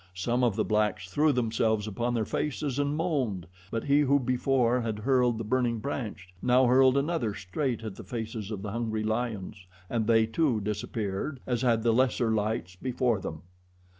Some of the blacks threw themselves upon their faces and moaned; but he who before had hurled the burning branch now hurled another straight at the faces of the hungry lions, and they, too, disappeared as had the lesser lights before them.